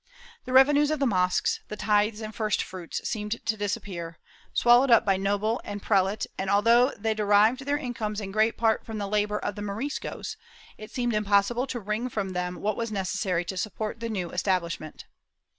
The revenues of the mosques, the tithes and first fruits seem to disappear — swallowed up by noble and prelate and, although they derived their incomes in great part from the labor of the Moriscos, it seemed impossible to wring from them what was necessary to support the new establishment.